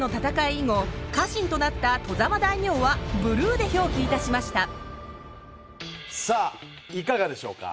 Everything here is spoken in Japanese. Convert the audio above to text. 以後家臣となった外様大名はブルーで表記いたしましたさあいかがでしょうか。